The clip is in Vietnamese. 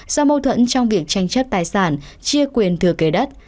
do mâu thuẫn trong việc tranh chấp tài sản chia quyền thừa kế đất